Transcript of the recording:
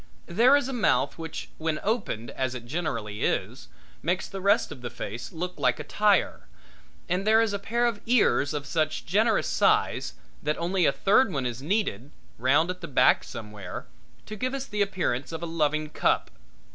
There is a mouth which when opened, as it generally is, makes the rest of the face look like a tire, and there is a pair of ears of such generous size that only a third one is needed, round at the back somewhere, to give us the appearance of a loving cup.